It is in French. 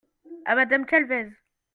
à Madame Calvez.